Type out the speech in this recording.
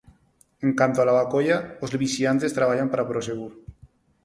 En canto a Lavacolla, os vixiantes traballan para Prosegur.